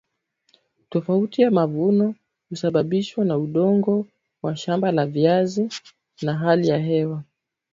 tofauti ya mavuno husababishwa na udongo wa shamba la viazi na hali ya hewa